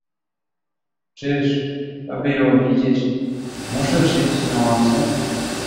"„Czyż, aby ją widzieć, muszę siedzieć na łące?"